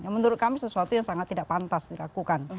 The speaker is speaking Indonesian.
menurut kami sesuatu yang sangat tidak pantas dilakukan